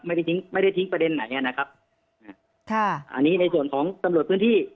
ไม่ได้ทิ้งประเด็นไหนนะครับอันนี้ในส่วนของตำรวจพื้นที่